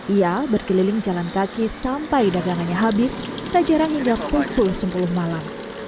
ia berkeliling jalan kaki sampai dagangannya habis tak jarang hingga pukul sepuluh malam